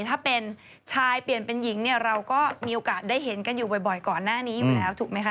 ถ้าเป็นชายเปลี่ยนเป็นหญิงเนี่ยเราก็มีโอกาสได้เห็นกันอยู่บ่อยก่อนหน้านี้อยู่แล้วถูกไหมคะ